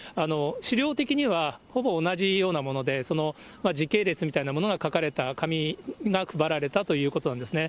資料的にはほぼ同じようなもので、その時系列みたいなものが書かれた紙が配られたということなんですね。